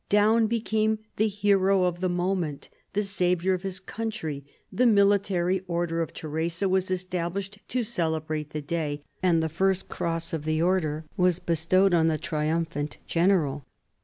Daun became the hero of the moment, the saviour of his country. The military "Order of Theresa" was established to cele brate the day; and the first cross of the Order was bestowed on the triumphant general.